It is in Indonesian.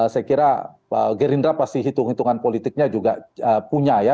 saya kira gerindra pasti hitung hitungan politiknya juga punya ya